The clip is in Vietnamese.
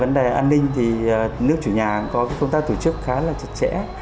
vấn đề an ninh thì nước chủ nhà có công tác tổ chức khá là chặt chẽ